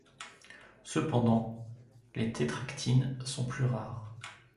Cependant, les tétractines sont plus rares.